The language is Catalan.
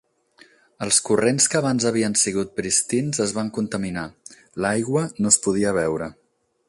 Els corrents que abans havien sigut pristins es van contaminar, l'aigua no es podia beure.